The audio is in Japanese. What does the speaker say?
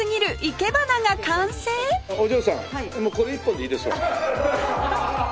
もうこれ１本でいいですよ。